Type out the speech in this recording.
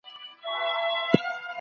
خپل حق هيڅکله بل چا ته مه پرېږده.